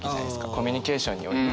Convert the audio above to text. コミュニケーションにおいて。